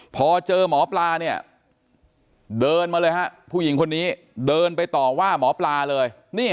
พอเจอหมอปลาเนี่ยเดินมาเลยฮะผู้หญิงคนนี้เดินไปต่อว่าหมอปลาเลย